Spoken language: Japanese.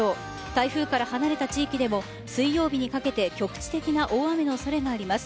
台風から離れた地域でも水曜日にかけて局地的な大雨の恐れがあります。